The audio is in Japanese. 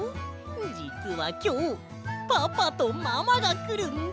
じつはきょうパパとママがくるんだ！